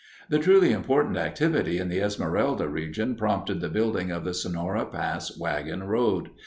The truly important activity in the Esmeralda region prompted the building of the Sonora Pass wagon road.